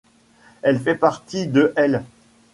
Elle fait partie de l’'.